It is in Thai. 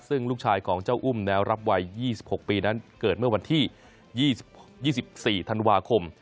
ซึ่งลูกชายของเจ้าอุ้มแนวรับวัย๒๖ปีนั้นเกิดเมื่อวันที่๒๔ธันวาคม